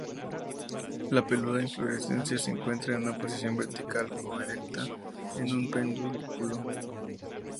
La peluda inflorescencia se encuentra en una posición vertical o erecta en un pedúnculo.